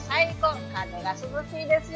風が涼しいですよ。